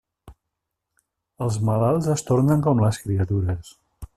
Els malalts es tornen com les criatures.